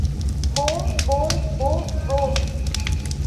Boom, Boom, Boom, Boom!!